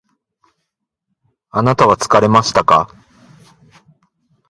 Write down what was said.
あなたは疲れましたか？